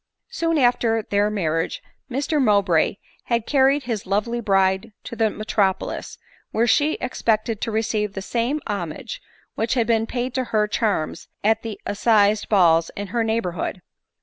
Soon after their marriage, Mr Mowbray had carried his lovely bride to the metropolis, where she expected to received the same homage which had been paid to her charms at the assize balls in her neighborhood.